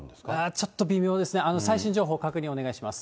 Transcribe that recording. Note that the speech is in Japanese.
ちょっと微妙ですね、最新情報、確認お願いします。